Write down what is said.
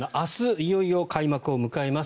いよいよ開幕を迎えます。